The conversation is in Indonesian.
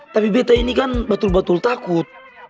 tapi bt ini kan betul betul takut